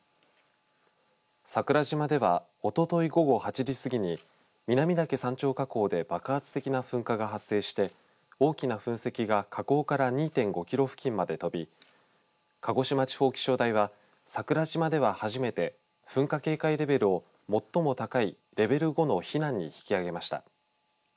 桜島ではおととい午後８時過ぎに南岳山頂火口で爆発的な噴火が発生して大きな噴石が火口から２．５キロ付近まで飛び鹿児島地方気象台は桜島では初めて噴火警戒レベルを最も高いレベル５の避難に引き上げました。